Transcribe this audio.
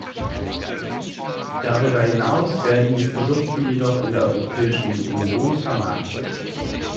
Darüber hinaus werden die Produkte jedoch in der Europäischen Union vermarktet.